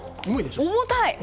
重たい。